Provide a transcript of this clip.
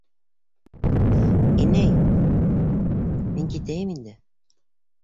Инәй... мин китәйем инде...